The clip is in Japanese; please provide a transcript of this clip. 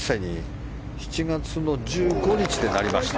７月の１５日で４１歳になりました。